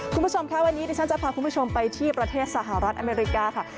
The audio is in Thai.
คุณผู้ชมค่ะวันนี้ดิฉันจะพาคุณผู้ชมไปที่ประเทศสหรัฐอเมริกาค่ะ